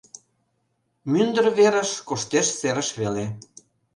Мӱндыр верыш коштеш серыш веле.